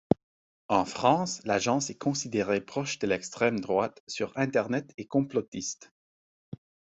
En France, l'agence est considérée proche de l'extrême droite sur Internet et complotiste.